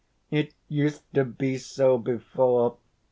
It used to be so before.